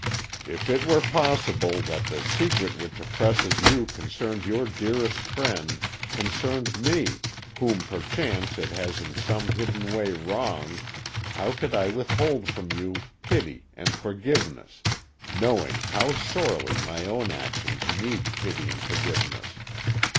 If it were possible that the secret which oppresses you concerned your dearest friend, concerned me, whom perchance it has in some hidden way wronged, how could I withhold from you pity and forgiveness, knowing how sorely my own actions need pity and forgiveness?